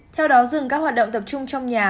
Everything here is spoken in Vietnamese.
theo đó dừng các hoạt động tập trung trong nhà